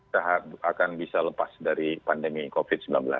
sehat akan bisa lepas dari pandemi covid sembilan belas